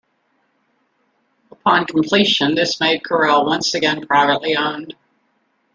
Upon completion, this made Corel once again privately owned.